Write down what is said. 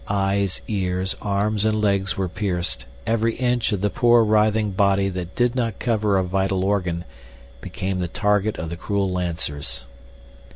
Eyes, ears, arms and legs were pierced; every inch of the poor writhing body that did not cover a vital organ became the target of the cruel lancers.